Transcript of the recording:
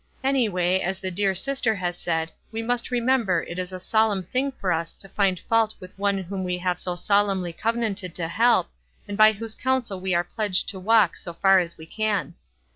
Anyway, as the dear sister has said, we must remember it is a solemn thing for us to find fault with one whom we have so solemnly covenanted to help, and by whose counsel we are pledged to w r alk so far as we can.